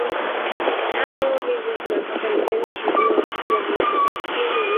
dano hizi zipatazo milioni ishirini huambukiza virusi vya ukimwi kwa nini